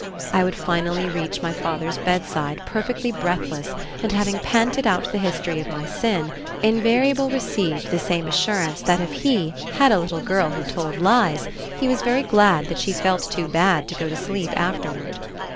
I would finally reach my father's bedside perfectly breathless and having panted out the history of my sin, invariable received the same assurance that if he "had a little girl who told lies," he was very glad that she "felt too bad to go to sleep afterward."